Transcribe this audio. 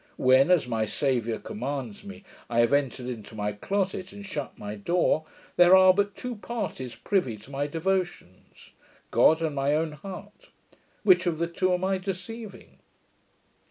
When, as my Saviour commands me, I have 'entered into my closet, and shut my door', there are but two parties privy to my devotions, God and my own heart; which of the two am I deceiving?